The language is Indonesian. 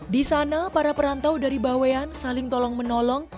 di sana para perantau dari bawean saling tolong menolong